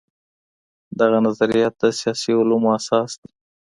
دغه نظريات د سياسي علومو اساس دي.